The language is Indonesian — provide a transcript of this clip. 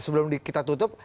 sebelum kita tutup